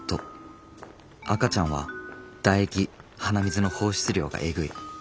赤ちゃんは唾液鼻水の放出量がエグい。